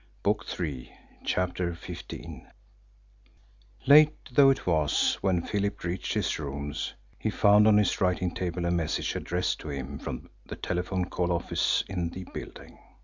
Good night, dear!" CHAPTER XV Late though it was when Philip reached his rooms, he found on his writing table a message addressed to him from the telephone call office in the building.